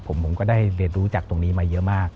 ผมก็ได้เรียนรู้จากตรงนี้มาเยอะมาก